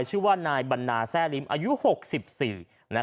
ชื่อว่านายบรรณาแซ่ลิ้มอายุ๖๔